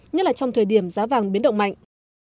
nhất là trong thời điểm giá vàng biến động mạnh